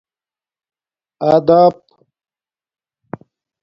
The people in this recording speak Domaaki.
ادپ